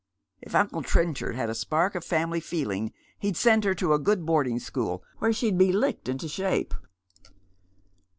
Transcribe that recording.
If uncle Trench aid had a spark of family feeling he'd Bend her to a good boarding school, where she'd be licked into ehape."